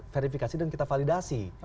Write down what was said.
verifikasi dan kita validasi